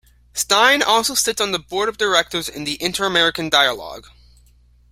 Stein also sits on the Board of Directors of the Inter-American Dialogue.